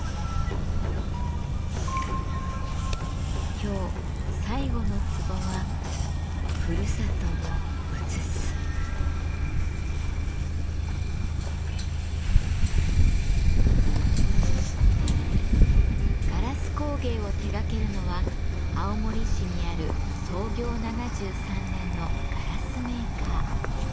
今日最後の壺はガラス工芸を手がけるのは青森市にある創業７３年のガラスメーカー。